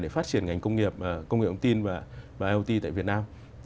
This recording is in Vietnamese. để phát triển ngành công nghiệp công nghiệp ổng tin và iot tại việt nam